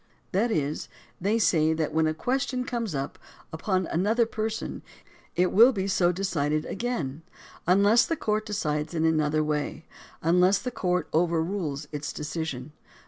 That is, they say that when a question comes up upon another person, it will be so decided again, unless the court decides in another way, unless the court overrules its decision.